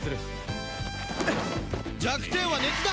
弱点は熱だ。